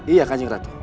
iya kanjeng ratu